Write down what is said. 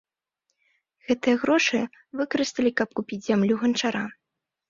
Гэтыя грошы выкарысталі, каб купіць зямлю ганчара.